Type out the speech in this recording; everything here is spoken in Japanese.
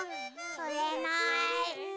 つれない。